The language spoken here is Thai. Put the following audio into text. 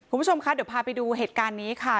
คุณผู้ชมคะเดี๋ยวพาไปดูเหตุการณ์นี้ค่ะ